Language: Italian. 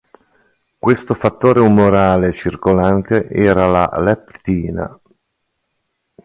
Questo fattore umorale circolante era la leptina.